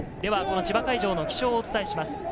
千葉会場の気象をお伝えします。